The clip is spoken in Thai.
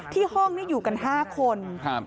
ที่ห้องอยู่กัน๕คน